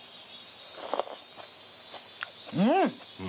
うん！